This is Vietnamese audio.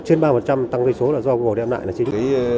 trên ba tăng kinh doanh số là do google đem lại là chính